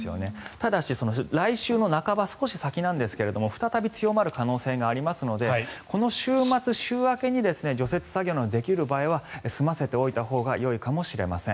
ただし、来週の半ば少し先なんですが再び強まる可能性がありますのでこの週末、週明けに除雪作業のできる場合は済ませておいたほうがよいかもしれません。